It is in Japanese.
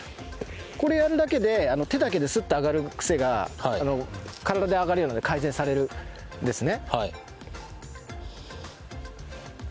これやるだけで手だけでスッて上がる癖が体で上がるように改善されるんですね。